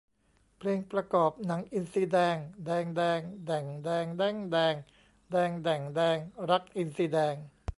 เพลงประกอบหนัง : อินทรีแดง แดง แดง แด่ง แดง แด๊ง แดง แดง แด่ง แดง รักอินทรีแดง